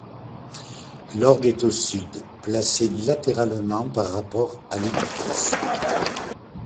L’orgue est au sud, placé latéralement par rapport à l’édifice.